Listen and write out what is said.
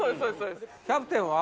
キャプテンは？